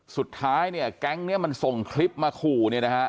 สุดท้ายเนี่ยแก๊งนี้มันส่งคลิปมาขู่เนี่ยนะฮะ